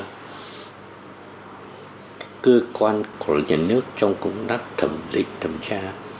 và giảm thời gian cơ quan của nhà nước trong công đắc thẩm định thẩm tra